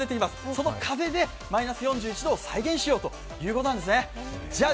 その風でマイナス４１度を再現しようということなんですね。